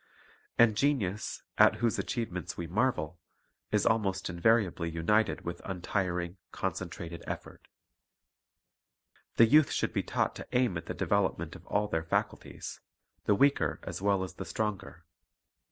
And genius, at whose achievements we marvel, is almost invariably united with untiring, concentrated effort. The youth should be taught to aim at the develop ment of all their faculties, the weaker as well as the stronger.